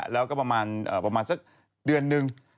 แล้วก็ประมาณสักเดือนนึง